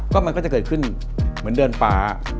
ก็มันก็จะเกิดขึ้นเหมือนเดินป่า